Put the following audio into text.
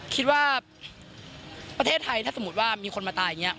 คิดว่าประเทศไทยถ้าสมมุติว่ามีคนมาตายอย่างนี้